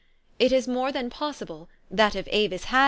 It is more than possible, that if Avis had